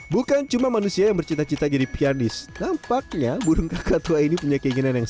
bukan cuma manusia yang bercita cita jadi pianis nampaknya burung kakak tua ini punya keinginan yang